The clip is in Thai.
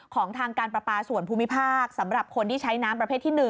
ของทางการประปาส่วนภูมิภาคสำหรับคนที่ใช้น้ำประเภทที่๑